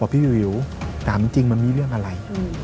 พี่วิวถามจริงมันมีเรื่องอะไร